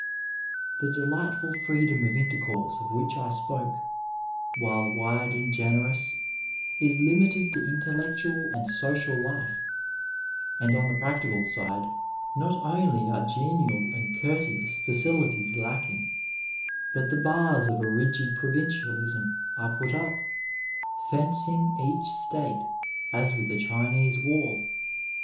The delightful freedom of intercourse of which I spoke, while wide and generous, is limited to intellectual and social life, and on the practical side, not only are genial and courteous facilities lacking, but the bars of a rigid provincialism are put up, fencing each State as with a 290 Digitized by VjOOQIC CHAUVINISM m MEDICINE Chinese waU.